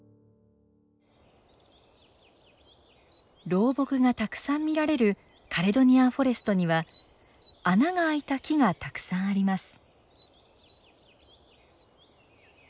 老木がたくさん見られるカレドニアンフォレストには穴があいた木がたくさんあります。